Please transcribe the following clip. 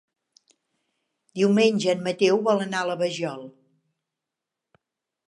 Diumenge en Mateu vol anar a la Vajol.